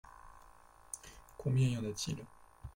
Combien y en a-t-il ?